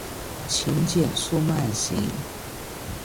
请减速慢行